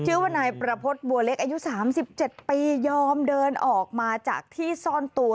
ชิ้นว่าหน่ายประพฏบัวเล็กอายุสองสิบเจ็ดปียอมเดินออกมาจากที่ซ่อนตัว